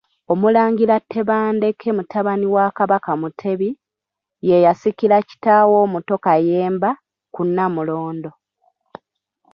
OMULANGIRA Tebandeke mutabani wa Kabaka Mutebi, ye yasikira kitaawe omuto Kayemba ku Nnamulondo.